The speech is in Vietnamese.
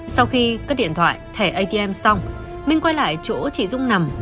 sau khi cắt điện thoại thẻ atm xong minh quay lại chỗ chị dung nằm